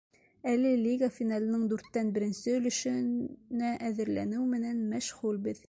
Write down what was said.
Әле лига финалының дүрттән беренсе өлөшөнә әҙерләнеү менән мәшғүлбеҙ.